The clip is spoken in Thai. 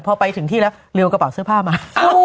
พอไปถึงที่แล้วเรียวกระเป๋าเสื้อผ้ามา